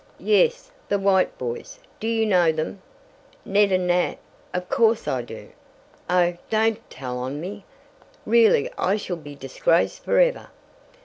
"Yes, the White boys. Do you know them?" "Ned and Nat? Of course I do! Oh, don't tell on me! Really I shall be disgraced forever."